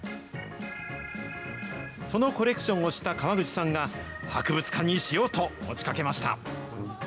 そのコレクションを知った川口さんが、博物館にしようと持ちかけました。